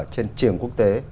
trên trường quốc tế